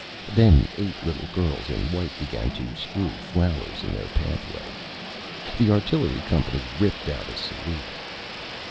Then eight Little Girls in White began to strew Flowers in their Pathway. The Artillery company ripped out a Salute.